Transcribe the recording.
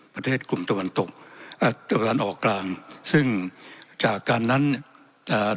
ประเทศกลุ่มตะวันตกอ่าตะวันออกกลางซึ่งจากการนั้นอ่า